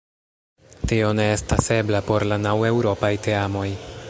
Tio ne estas ebla por la naŭ eŭropaj teamoj.